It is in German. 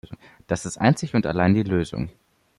Das ist einzig und allein die Lösung.